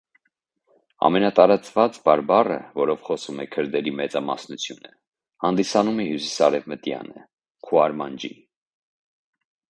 Ամենատարածված բարբառը, որով խոսում է քրդերի մեծամասնությունը, հանդիսանում է հյուսիսարևմտյանը (քուրմանջի)։